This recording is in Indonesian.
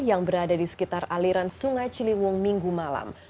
yang berada di sekitar aliran sungai ciliwung minggu malam